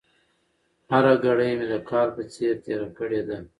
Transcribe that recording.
هره ګړۍ مې د کال په څېر تېره کړې ده.